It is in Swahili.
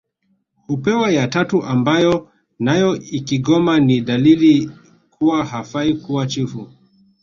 Hupewa ya tatu ambayo nayo ikigoma ni dalili kuwa hafai kuwa chifu